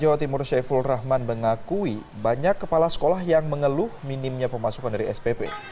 jawa timur syaiful rahman mengakui banyak kepala sekolah yang mengeluh minimnya pemasukan dari spp